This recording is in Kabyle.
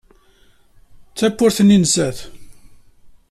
D tawwurt-nni n zzat.